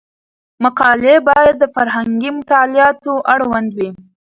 مقالې باید د فرهنګي مطالعاتو اړوند وي.